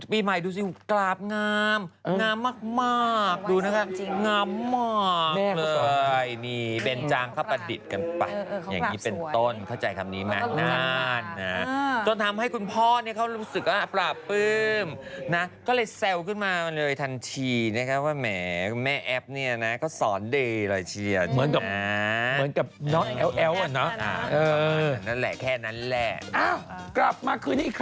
ปีใหม่ดูสิกราบงามงามมากดูนะคะงามมากเลยนี่เบนจางเขาประดิษฐ์กันไปอย่างนี้เป็นต้นเข้าใจคำนี้ไหมนั่นนะจนทำให้คุณพ่อเนี่ยเขารู้สึกว่าปลาปึ้มนะก็เลยแซวขึ้นมาเลยทันทีนะครับว่าแหมแม่แอ๊บเนี่ยนะเขาสอนไดเลยเชียวนะเหมือนกับอ๋อนั่นแหละแค่นั้นแหละเอ้ากลับมาคืนอีกครั้